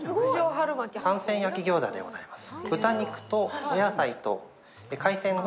三鮮焼き餃子でございます。